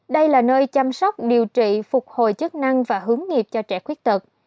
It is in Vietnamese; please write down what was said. đây là nơi chăm sóc điều trị phục hồi chức năng và hướng nghiệp cho trẻ khuyết tật